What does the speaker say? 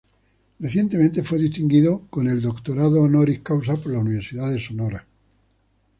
Recientemente fue distinguido con el Doctorado Honoris Causa, por la Universidad de Sonora.